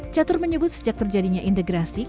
catur menyebut sejak terjadinya integrasi